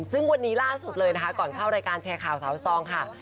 ซึ่งวันนี้ล่าสุดเลยนะคะก่อนเข้ารายการแชร์ข่าวสาวซองค่ะ